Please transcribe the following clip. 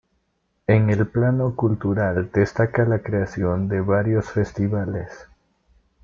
En el plano cultural destaca la creación de varios festivales.